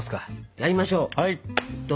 やりましょう。